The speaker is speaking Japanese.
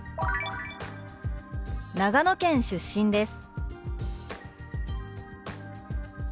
「長野県出身です」。